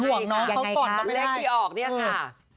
จะเป็นห่วงนะเขาปอนต้องไม่ได้